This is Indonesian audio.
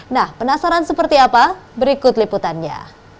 nah penasaran seperti apa berikut liputannya